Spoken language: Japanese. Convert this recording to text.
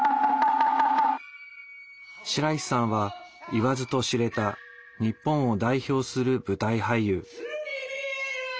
白石さんは言わずと知れた日本を代表する舞台俳優。